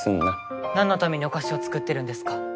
なんのためにお菓子を作ってるんですか？